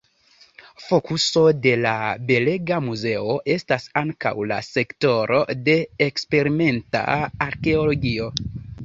Fokuso de la belega muzeo estas ankaŭ la sektoro de eksperimenta arkeologio.